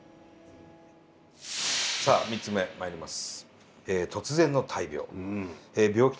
さあ３つ目まいります。